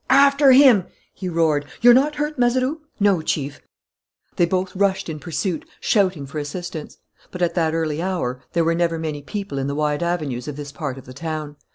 "After him!" he roared. "You're not hurt, Mazeroux?" "No, Chief." They both rushed in pursuit, shouting for assistance. But, at that early hour, there are never many people in the wide avenues of this part of the town.